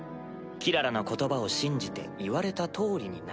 キララの言葉を信じて言われた通りになる。